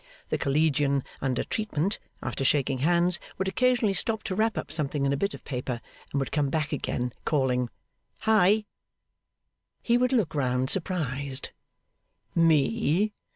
The collegian under treatment, after shaking hands, would occasionally stop to wrap up something in a bit of paper, and would come back again calling 'Hi!' He would look round surprised.'Me?